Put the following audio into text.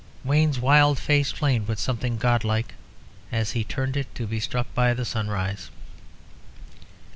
Wayne's wild face flamed with something god like, as he turned it to be struck by the sunrise.